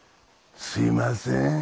すみません。